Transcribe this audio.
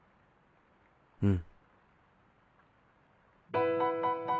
うん。